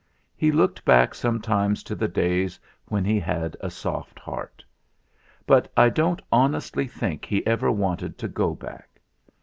He looked back sometimes to the days when he had a soft heart. But I don't honestly think he ever wanted to go back.